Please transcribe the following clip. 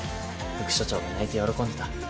副署長が泣いて喜んでた。